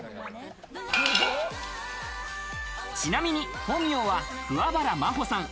ちなみに、本名は桑原茉萌さん。